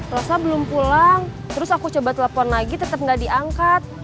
rosa belum pulang terus aku coba telepon lagi tetap nggak diangkat